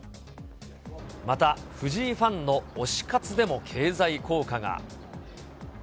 また藤井ファンの推し活でも経済効果が。